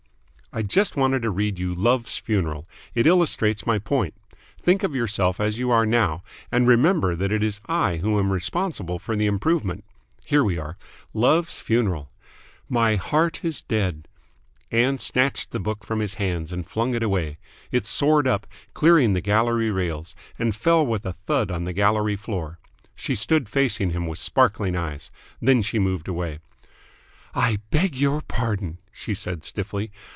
"I just wanted to read you 'Love's Funeral!' It illustrates my point. Think of yourself as you are now, and remember that it is I who am responsible for the improvement. Here we are. 'Love's Funeral.' 'My heart is dead. ...'" Ann snatched the book from his hands and flung it away. It soared up, clearing the gallery rails, and fell with a thud on the gallery floor. She stood facing him with sparkling eyes. Then she moved away. "I beg your pardon," she said stiffly.